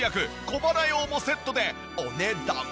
小鼻用もセットでお値段は？